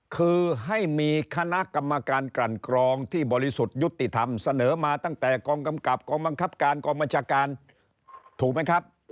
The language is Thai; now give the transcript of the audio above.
คือให้มีคณะกรรมการกลั่นกรองที่บริสุทธิ์ยุติธรรมเสนอมาตั้งแต่กองกำกับกองบังคับการกองบัญชาการถูกไหมครับ